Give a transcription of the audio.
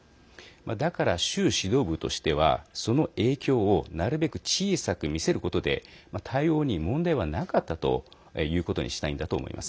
だから、習指導部としてはその影響をなるべく小さく見せることで対応に問題はなかったということにしたいんだと思います。